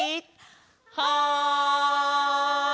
はい！